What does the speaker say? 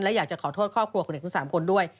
และอยากจะขอโทษครอบครัวคุณเด็กทั้ง๓คนด้วย